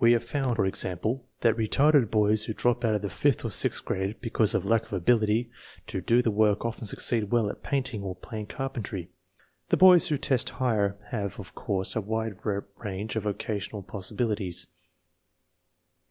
We have found, for example, that retarded boys who drop out of the fifth or sixth grade because of lack of ability to do the work often succeed well at painting or plain carpentry. The boys who test higher have, of course, a wider range of vocational possibilities.